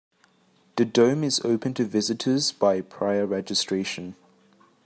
The dome is open to visitors by prior registration.